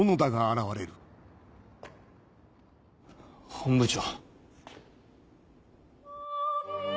本部長。